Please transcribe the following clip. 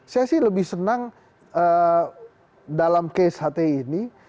saya sih lebih senang dalam case hti ini